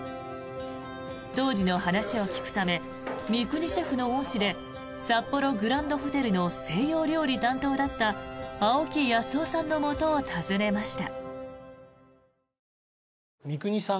当時の話を聞くため三國シェフの恩師で札幌グランドホテルの西洋料理担当だった青木靖男さんのもとを訪ねました。